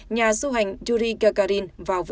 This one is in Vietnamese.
nhà du hành yuri gagarin